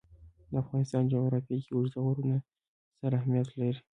د افغانستان جغرافیه کې اوږده غرونه ستر اهمیت لري.